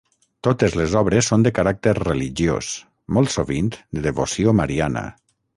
Totes les obres són de caràcter religiós, molt sovint de devoció mariana.